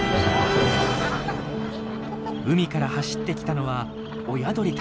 海から走ってきたのは親鳥たち。